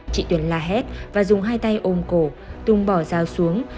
chị tuyền la hét và dùng hai tay ôm cổ tung bỏ dao xuống